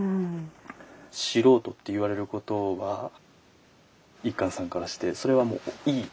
素人って言われることは一閑さんからしてそれはもういい。